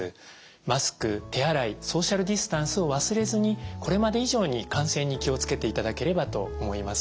マスク手洗いソーシャルディスタンスを忘れずにこれまで以上に感染に気を付けていただければと思います。